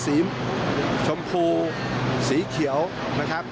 สีชมพูสีเขียวนะครับ